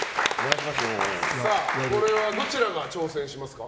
これはどちらが挑戦しますか？